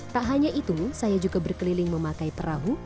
tak hanya itu saya juga berkeliling memakai perahu